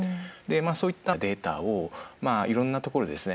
そういったデータをいろんなところでですね